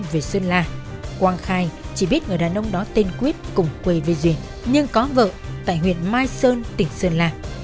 về sơn la quang khai chỉ biết người đàn ông đó tên quyết cùng quê với duy nhưng có vợ tại huyện mai sơn tỉnh sơn la